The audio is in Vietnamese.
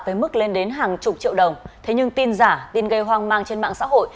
với mức lên đến hàng chục triệu đồng thế nhưng tin giả tin gây hoang mang trên mạng xã hội